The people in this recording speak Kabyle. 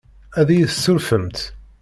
Ad iyi-tessurfemt?